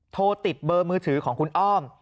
โทรติดเบอร์มือถือของคุณอ้อม